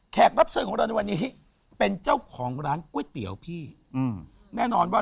รับเชิญของเราในวันนี้เป็นเจ้าของร้านก๋วยเตี๋ยวพี่อืมแน่นอนว่า